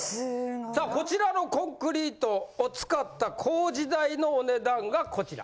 さあこちらのコンクリートを使った工事代のお値段がこちら。